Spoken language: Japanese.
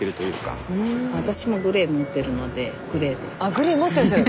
グレー持ってらっしゃる。